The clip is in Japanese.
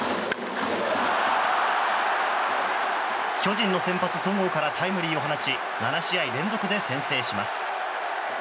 巨人の先発、戸郷からタイムリーを放ち７試合連続で先制します。